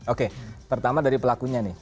oke pertama dari pelakunya nih